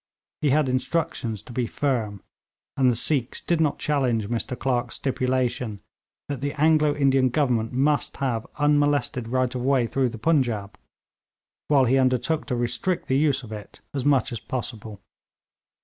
He had instructions to be firm, and the Sikhs did not challenge Mr Clerk's stipulation that the Anglo Indian Government must have unmolested right of way through the Punjaub, while he undertook to restrict the use of it as much as possible.